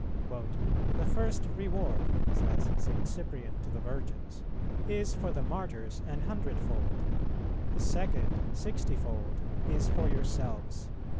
"The first reward," says St. Cyprian to the Virgins, "is for the Martyrs an hundredfold; the second, sixtyfold, is for yourselves."